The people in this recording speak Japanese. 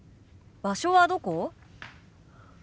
場所はどこ？